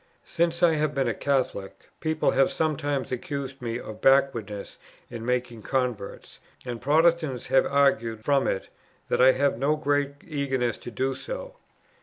Since I have been a Catholic, people have sometimes accused me of backwardness in making converts; and Protestants have argued from it that I have no great eagerness to do so.